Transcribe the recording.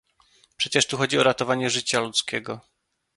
Przecież tu chodzi o ratowanie życia ludzkiego